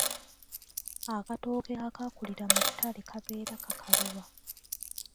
Akatooke akaakulira mu ttale kabeera kakaluba.